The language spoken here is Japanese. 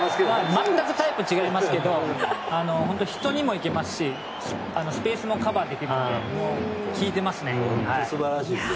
全くタイプ違いますけど人にも行けますしスペースもカバーできるので効いていますね。